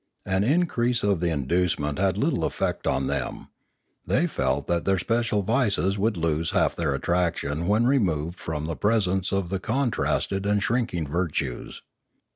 An increase of the inducement had little effect on them ; they felt that their special vices would lose half their attraction when removed from the pre sence of the contrasted and shrinking virtues.